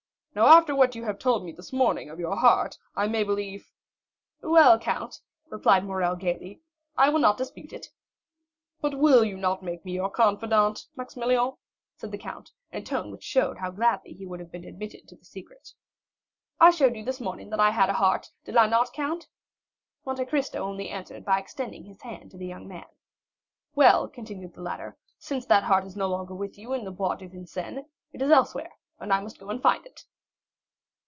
Now after what you told me this morning of your heart, I may believe——" "Well, count," replied Morrel gayly, "I will not dispute it." "But you will not make me your confidant, Maximilian?" said the count, in a tone which showed how gladly he would have been admitted to the secret. "I showed you this morning that I had a heart, did I not, count?" Monte Cristo only answered by extending his hand to the young man. "Well," continued the latter, "since that heart is no longer with you in the Bois de Vincennes, it is elsewhere, and I must go and find it."